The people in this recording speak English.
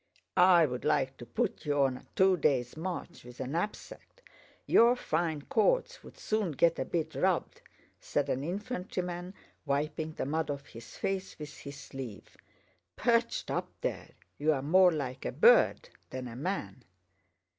"I'd like to put you on a two days' march with a knapsack! Your fine cords would soon get a bit rubbed," said an infantryman, wiping the mud off his face with his sleeve. "Perched up there, you're more like a bird than a man."